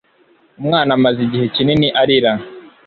Umwana amaze igihe kinini arira.